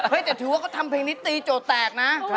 เฮ่ยแต่ถือว่าทำเพลงนี้ตีโจทย์แตกนะ